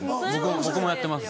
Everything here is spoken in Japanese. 僕もやってます。